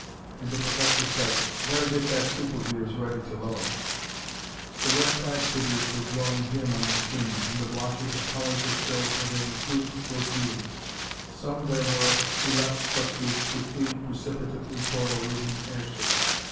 And to Professor Sykes, "Better get that 'soup' of yours ready to load." The red clad figures were growing dim on the screen, and the blotches of colors that showed where they were grouped were few. Some there were who left such groups to flee precipitately toward a waiting airship.